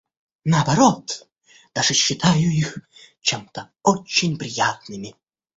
Наоборот, даже считаю их чем-то очень приятными.